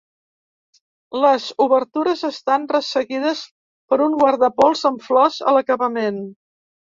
Les obertures estan resseguides per un guardapols amb flors a l'acabament.